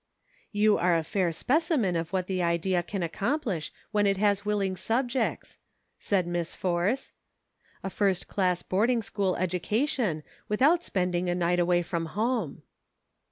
" You are a fair specimen of what the idea can accomplish when it has willing subjects," said Miss Force ;" a first class boarding school education without spending a night away from home."